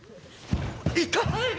「痛い！